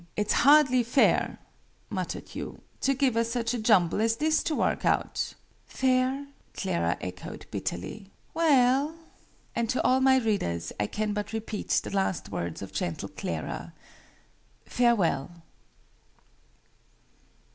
"It's hardly fair," muttered Hugh, "to give us such a jumble as this to work out!" "Fair?" Clara echoed, bitterly. "Well!" And to all my readers I can but repeat the last words of gentle Clara FARE WELL!